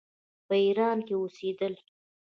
په ایران کې اوسېدل.